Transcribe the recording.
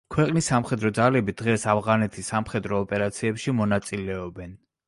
ქვეყნის სამხედრო ძალები დღეს ავღანეთის სამხედრო ოპერაციებში მონაწილეობენ.